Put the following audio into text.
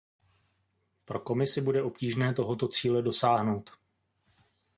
Pro Komisi bude obtížné tohoto cíle dosáhnout.